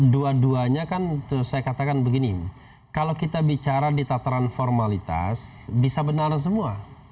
dua duanya kan saya katakan begini kalau kita bicara di tataran formalitas bisa benar semua